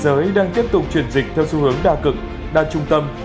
thế giới đang tiếp tục chuyển dịch theo xu hướng đa cực đa trung tâm